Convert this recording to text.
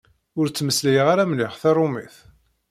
Ur ttmeslayeɣ ara mliḥ tarumit!